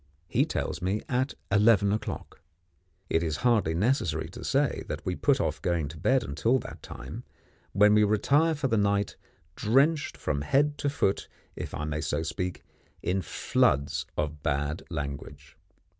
He tells me at eleven o'clock. It is hardly necessary to say that we put off going to bed until that time, when we retire for the night, drenched from head to foot, if I may so speak, in floods of bad language.